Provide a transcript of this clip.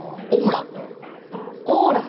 オーラ？